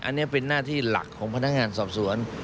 อันนี้เป็นหน้าที่หลักของพนักงานสอบสวน